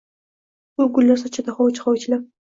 U gullar sochadi hovuch-hovuchlab